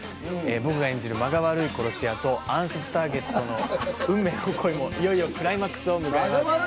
僕が演じる間が悪い殺し屋と暗殺ターゲットの運命の恋もいよいよクライマックスを迎えます。